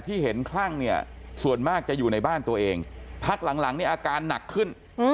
ที่พังเสียหายกับพ่อใช่หรือ